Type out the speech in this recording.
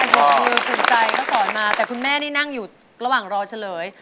คือคุณใจเขาสอนมาแต่คุณแม่นี่นั่งอยู่ระหว่างรอเฉลย